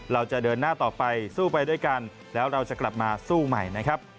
เราจะเดินหน้าต่อไปสู้ไปด้วยกันแล้วเราจะกลับมาสู้ใหม่นะครับ